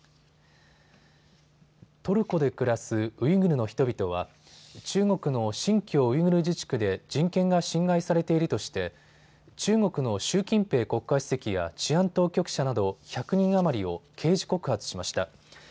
トルコで暮らすウイグルの人々は中国の新疆ウイグル自治区で人権が侵害されているとして中国の習近平国家主席や治安当局者など１００人余りを刑事告発しました。